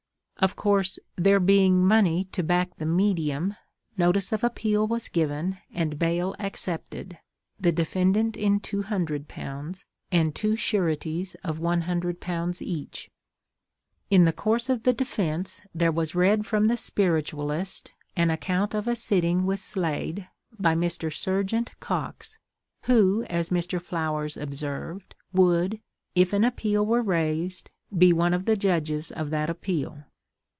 Of course, there being money to back the "medium," notice of appeal was given, and bail accepted—the defendant in £200, and two sureties of £100 each. In the course of the defence there was read from the Spiritualist an account of a sitting with Slade by Mr. Serjeant Cox, who, as Mr. Flowers observed, would, if an appeal were raised, be one of the judges of that appeal.